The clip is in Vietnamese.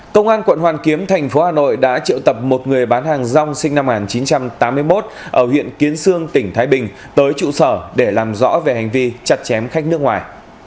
công an quận hoàn kiếm thành phố hà nội đã triệu tập một người bán hàng rong sinh năm một nghìn chín trăm tám mươi một ở huyện kiến sương tỉnh thái bình tới trụ sở để làm rõ về hành vi chặt chém khách nước ngoài